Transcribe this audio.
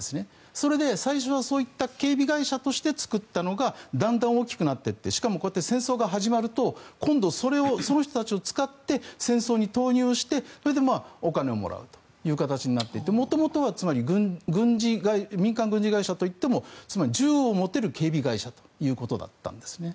それで最初はそういった警備会社として作ったのがだんだん大きくなっていってしかもこうやって戦争が始まると今度、その人たちを使って戦争に投入してお金をもらうという形になっていって元々は民間軍事会社といっても銃を持てる警備会社ということだったんですね。